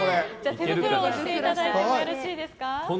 手袋をしていただいてよろしいですか。